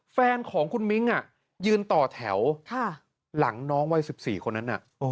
แฟนของคุณมิ้งยืนต่อแถวหลังน้องวัย๑๔คนนั้น